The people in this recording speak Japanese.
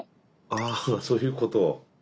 ああそういうこと。